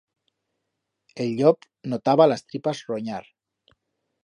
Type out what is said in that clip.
El llop notaba las tripas ronyar.